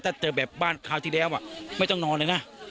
ถ้าเจอแบบบ้านคราวที่แล้วไม่ต้องนอนเลยนะ